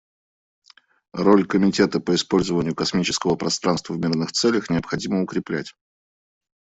Роль Комитета по использованию космического пространства в мирных целях необходимо укреплять.